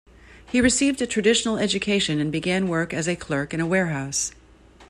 He received a traditional education and began work as a clerk in a warehouse.